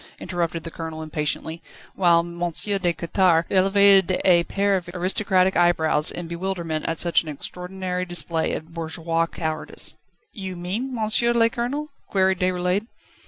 interrupted the Colonel impatiently, whilst M. de Quettare elevated a pair of aristocratic eyebrows in bewilderment at such an extraordinary display of bourgeois cowardice. "You mean, Monsieur le Colonel?" queried Déroulède.